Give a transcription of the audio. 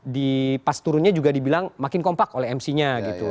di pas turunnya juga dibilang makin kompak oleh mc nya gitu